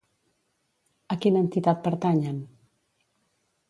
A quina entitat pertanyen?